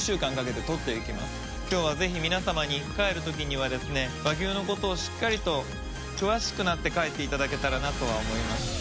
今日はぜひ皆さまに帰る時にはですね和牛のことをしっかりと詳しくなって帰っていただけたらなとは思います。